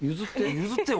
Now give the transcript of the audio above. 譲ってよ